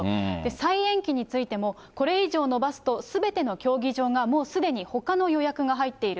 再延期についても、これ以上延ばすと、すべての競技場がもうすでに、ほかの予約が入っている。